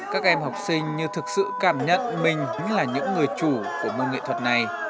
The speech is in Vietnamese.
các em học sinh như thực sự cảm nhận mình là những người chủ của môn nghệ thuật này